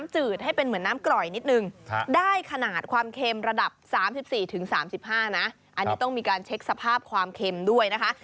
อันนี้ต้องมีการเช็คสภาพความเค็มด้วยนะคะ